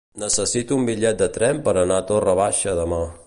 Necessito un bitllet de tren per anar a Torre Baixa demà.